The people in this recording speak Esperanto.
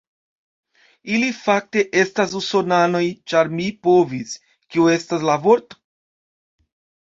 Ili fakte, estas usonanoj ĉar mi povis, kio estas la vorto?